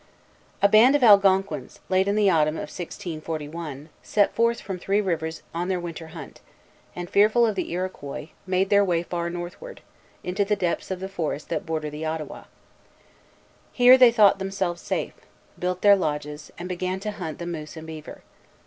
A band of Algonquins, late in the autumn of 1641, set forth from Three Rivers on their winter hunt, and, fearful of the Iroquois, made their way far northward, into the depths of the forests that border the Ottawa. Here they thought themselves safe, built their lodges, and began to hunt the moose and beaver.